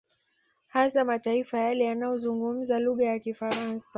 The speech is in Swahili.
Hasa mataifa yale yanayozungumza lugha ya Kifaransa